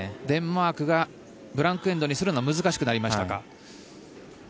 デンマークがブランク・エンドにするのは難しくなりましたか。